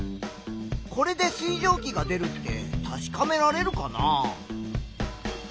これで水蒸気が出るって確かめられるかな？